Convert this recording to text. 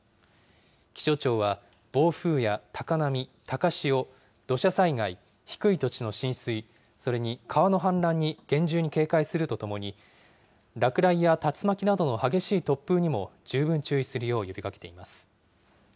気象庁は暴風や高波、高潮、土砂災害、低い土地の浸水、それに川の氾濫に厳重に警戒するとともに、落雷や竜巻などの激しい突風にも十分注意するよう呼びかけています。